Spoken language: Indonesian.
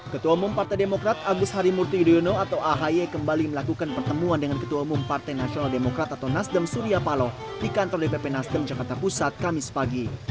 ketua umum partai demokrat agus harimurti yudhoyono atau ahy kembali melakukan pertemuan dengan ketua umum partai nasional demokrat atau nasdem surya paloh di kantor dpp nasdem jakarta pusat kamis pagi